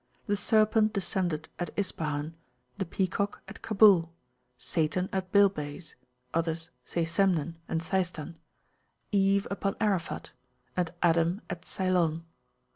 The serpent descended at Ispahan, the peacock at Kabul, Satan at Bilbays (others say Semnan and Seistan), Eve upon Arafat, and Adam at Ceylon.